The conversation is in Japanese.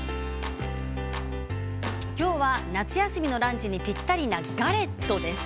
今日は夏休みのランチにぴったりなガレットです。